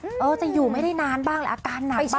เออจะอยู่ไม่ได้นานบ้างหรืออาการหนักบ้าง